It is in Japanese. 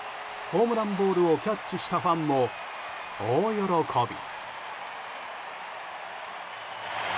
ホームランボールをキャッチしたファンも大喜び。